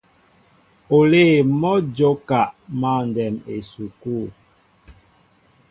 Olê mɔ́ a jóka mǎndɛm esukû.